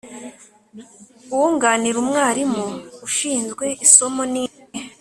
uwunganira umwarimu ushinzwe isomo ni nde